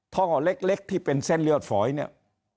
ท่อเล็กที่เป็นเส้นเลือดฝอยเนี่ย